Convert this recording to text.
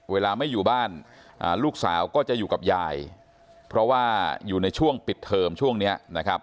เวลาไม่อยู่บ้านลูกสาวก็จะอยู่กับยายเพราะว่าอยู่ในช่วงปิดเทอมช่วงนี้นะครับ